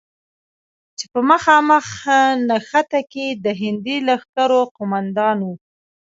چې په مخامخ نښته کې د هندي لښکرو قوماندان،